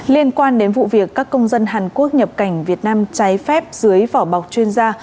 liên quan đến vụ việc các công dân hàn quốc nhập cảnh việt nam trái phép dưới vỏ bọc chuyên gia